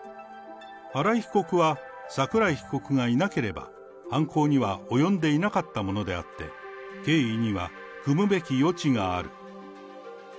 新井被告は、桜井被告がいなければ、犯行には及んでいなかったものであって、経緯にはくむべき余地がある。